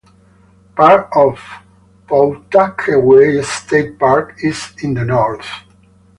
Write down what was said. Part of Pawtuckaway State Park is in the north.